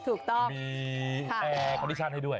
ถูกต้องมีแอร์คอนิชั่นให้ด้วย